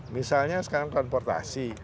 misalnya sekarang transportasi